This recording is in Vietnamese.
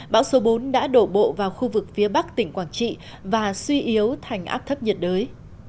bão số bốn đã đổ bộ vào khu vực phía bắc tỉnh quảng trị và suy yếu thành áp thấp nhiệt đới